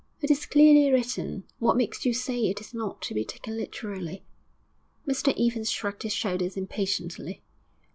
'It is clearly written. What makes you say it is not to be taken literally?' Mr Evans shrugged his shoulders impatiently.